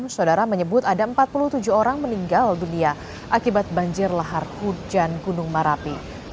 saudara menyebut ada empat puluh tujuh orang meninggal dunia akibat banjir lahar hujan gunung merapi